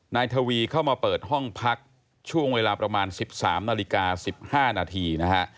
นายทวีเข้ามาเปิดห้องพักช่วงเวลาประมาณ๑๓นาฬิกา๑๕นาทีนะฮะ